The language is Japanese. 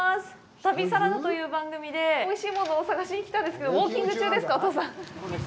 旅サラダという番組でおいしいものを探しに来たんですけどウオーキング中ですか、お父さん。